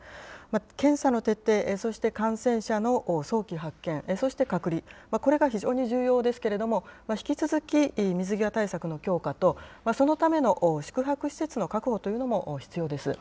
検査の徹底、そして感染者の早期発見、そして隔離、これが非常に重要ですけれども、引き続き、水際対策の強化と、そのための宿泊施設の確保というのも必要です。